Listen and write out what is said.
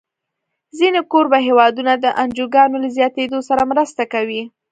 ځینې کوربه هېوادونه د انجوګانو له زیاتېدو سره مرسته کوي.